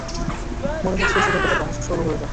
মনে হচ্ছে সুরঙ্গটা ক্রমশ সরু হয়ে যাচ্ছে।